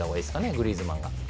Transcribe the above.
グリーズマンが。